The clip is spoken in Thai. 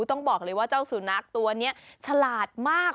ต้องบอกเลยว่าเจ้าสุนัขตัวนี้ฉลาดมาก